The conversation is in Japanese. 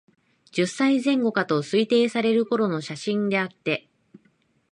十歳前後かと推定される頃の写真であって、